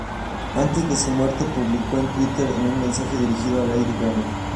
Antes de su muerte, publicó en Twitter un mensaje dirigido a Lady Gaga.